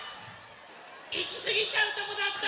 いきすぎちゃうとこだった！